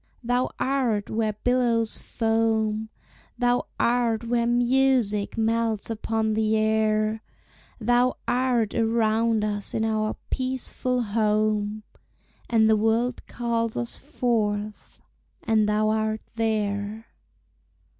Thou art where billows foam, Thou art where music melts upon the air; Thou art around us in our peaceful home, And the world calls us forth and thou art there.